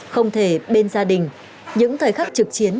không thể bên gia đình những thời khắc trực chiến